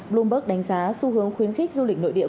bloomberg đánh giá xu hướng khuyến khích du lịch nội địa